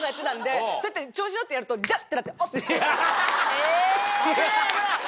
え！